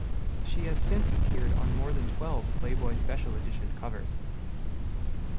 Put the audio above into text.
She has since appeared on more than twelve "Playboy Special Edition" covers.